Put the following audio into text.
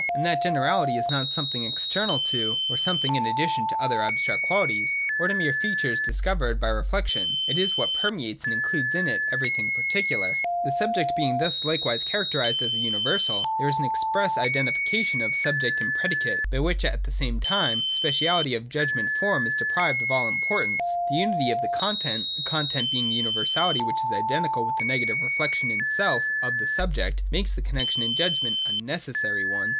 And that generality is not something external to, or something in addition to other abstract qualities, or to mere features discovered by re flection. It is what permeates and includes in it everything particular. 176.] The subject being thus likewise characterised 310 THE DOCTRINE OF THE NOTION. [176,177. as a universal, there is an express identification of subject and predicate, by which at the same time the speciality of the judgment form is deprived of all im portance. This unity of the content (the content being the universality which is identical with the negative reflection in self of the subject) makes the connexion in judgment a necessary one.